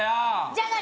じゃあ何